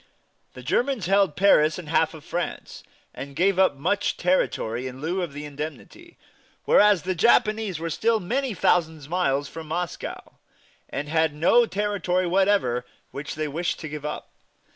The Germans held Paris and half of France, and gave up much territory in lieu of the indemnity, whereas the Japanese were still many thousand miles from Moscow, and had no territory whatever which they wished to give up.